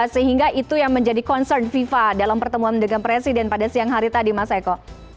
sehingga itu yang menjadi concern fifa dalam pertemuan dengan presiden pada siang hari tadi mas eko